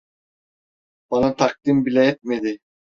Bana takdim bile etmedi.